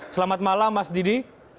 selamat malam mas didi